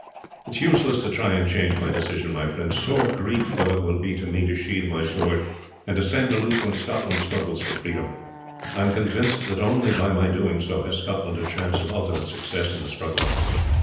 It is useless to try and change my decision, my friends. Sore grief though it will be to me to sheathe my sword and to stand aloof when Scotland struggles for freedom, I am convinced that only by my doing so has Scotland a chance of ultimate success in the struggle.